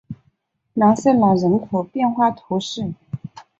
朗瑟奈人口变化图示